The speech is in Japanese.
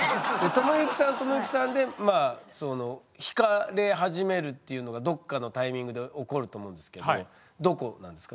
知之さんは知之さんでひかれ始めるっていうのがどっかのタイミングで起こると思うんですけどどこなんですか？